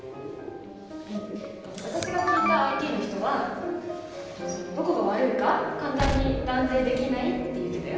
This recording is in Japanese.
うん私が聞いたＩＴの人はどこが悪いか簡単に断定できないって言ってたよ。